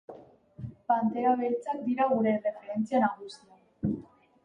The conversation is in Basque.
Pantera Beltzak dira gure erreferentzia nagusia.